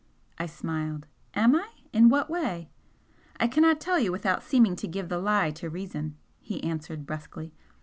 I smiled. "Am I? In what way?" "I cannot tell you without seeming to give the lie to reason," he answered, brusquely.